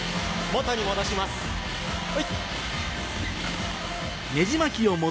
元に戻しますはい！